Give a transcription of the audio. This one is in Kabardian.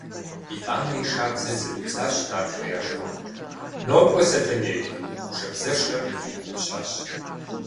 Итӏанэ и шабзэр зэӏуидзащ нартхэ я жэмыхъуэм: – Нокӏуэ, Сэтэней! – шабзэшэр къиутӏыпщащ.